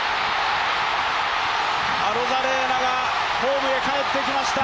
アロザレーナがホームへ帰ってきました。